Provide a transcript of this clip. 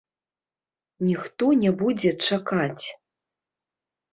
Ніхто не будзе чакаць.